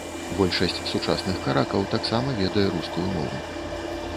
Большасць сучасных каракаў таксама ведае рускую мову.